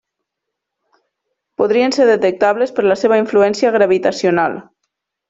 Podrien ser detectables per la seva influència gravitacional.